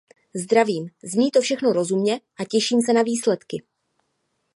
Zdravím, zní to všechno rozumně a těším se na výsledky.